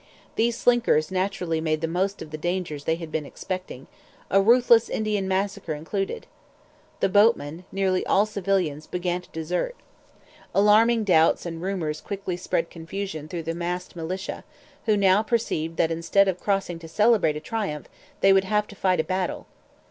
These slinkers naturally made the most of the dangers they had been expecting a ruthless Indian massacre included. The boatmen, nearly all civilians, began to desert. Alarming doubts and rumours quickly spread confusion through the massed militia, who now perceived that instead of crossing to celebrate a triumph they would have to fight a battle.